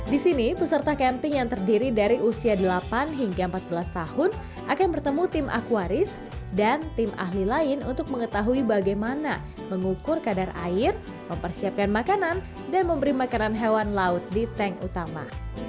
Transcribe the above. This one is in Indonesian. di sini peserta camping yang terdiri dari usia delapan hingga empat belas tahun akan bertemu tim akwaris dan tim ahli lain untuk mengetahui bagaimana mengukur kadar air mempersiapkan makanan dan memberi makanan hewan laut di tank utama